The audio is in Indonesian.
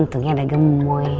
untungnya ada gemoy